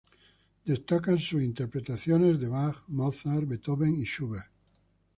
Destacan sus interpretaciones de Bach, Mozart, Beethoven y Schubert.